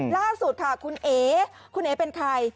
ล่าสุดค่ะคุณเอ๋คุณเอ๋เป็นใคร